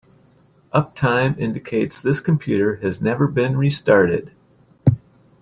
Uptime indicates this computer has never been restarted.